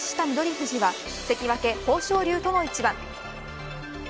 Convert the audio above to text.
富士は関脇、豊昇龍との一番。